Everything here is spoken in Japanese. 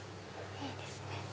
いいですね。